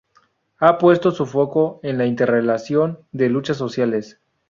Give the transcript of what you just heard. Ha puesto su foco en la interrelación de luchas sociales.